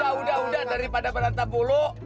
woy woy udah udah udah daripada berantem buluk